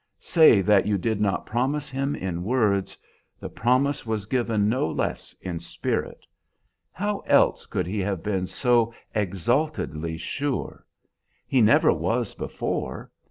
Say that you did not promise him in words; the promise was given no less in spirit. How else could he have been so exaltedly sure? He never was before.